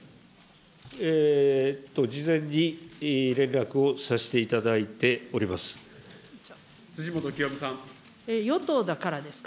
事前に連絡をさせていただいております。